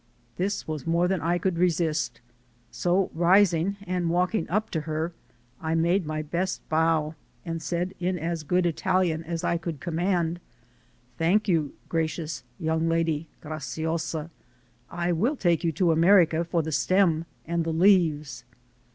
This was more than I could resist. So rising and walking up to her, I made my best bow and said in as good Italian as I could command: "Thank you, gracious (graziosa) young lady, I will take you to America for the stem and the leaves."